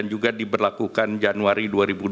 juga diberlakukan januari dua ribu dua puluh